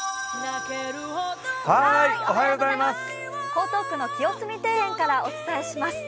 江東区の清澄庭園からお伝えします。